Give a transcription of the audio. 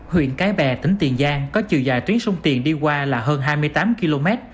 huyện cái bè tỉnh tiền giang có chiều dài tuyến sông tiền đi qua là hơn hai mươi tám km